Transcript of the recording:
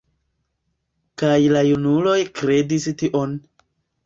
Kaj la junuloj kredis tion.